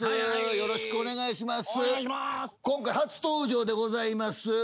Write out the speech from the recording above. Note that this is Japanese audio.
よろしくお願いします。